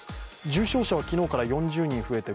重症者は昨日から４０人増えて